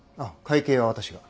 会計は私が。